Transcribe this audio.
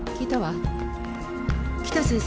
北先生